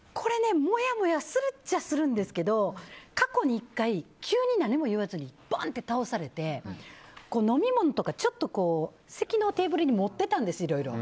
もやもやするっちゃするんですけど過去に１回、急に何も言わずにバーンって倒されて飲み物とか席のテーブルに盛ってたんです、いろいろ。